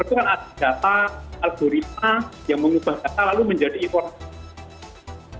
itu kan ada data algoritma yang mengubah data lalu menjadi informasi